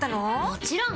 もちろん！